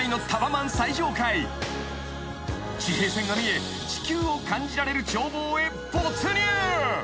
［地平線が見え地球を感じられる眺望へ没入］